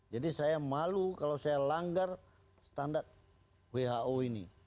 jadi saya malu kalau saya langgar standar who ini